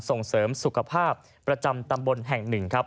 ส่งเสริมสุขภาพประจำตำบลแห่ง๑